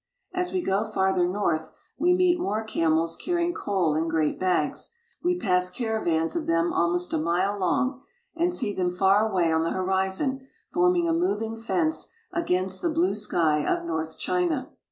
As we go farther north we meet more camels carrying coal in great bags. We pass caravans of them almost a mile long, and see them far away on the horizon, forming a moving fence against the blue sky of North China.